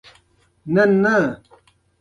سانکو هغه کسان چې پاڅېدلي وو ټول اعدام کړل.